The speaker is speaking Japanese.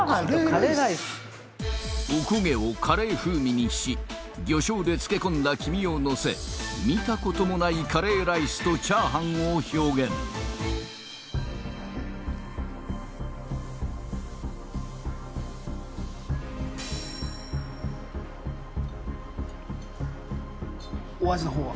おこげをカレー風味にし魚醤で漬け込んだ黄身をのせ見たこともないカレーライスと炒飯を表現お味のほうは？